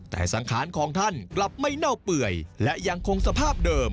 แต่สังขารของท่านกลับไม่เน่าเปื่อยและยังคงสภาพเดิม